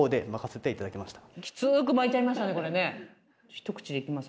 ひと口でいきます